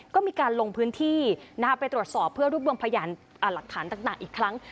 ก็มีการลงพื้นที่ไปตรวจสอบเพื่อรวบรวมพยานหลักฐานต่างอีกครั้ง